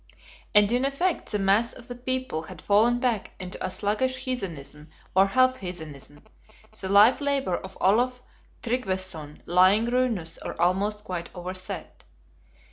And in effect the mass of the people had fallen back into a sluggish heathenism or half heathenism, the life labor of Olaf Tryggveson lying ruinous or almost quite overset.